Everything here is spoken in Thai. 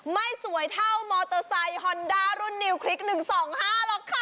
ไม่สวยเท่ามอเตอร์ไซค์ฮอนด้ารุ่นนิวคลิก๑๒๕หรอกค่ะ